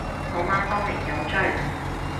我媽當年有追